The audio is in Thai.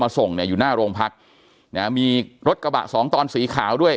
มาส่งอยู่หน้าโรงพักษ์มีรถกระบะ๒ตอนสีขาวด้วย